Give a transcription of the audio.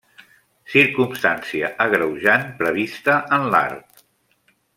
Circumstància agreujant prevista en l'art.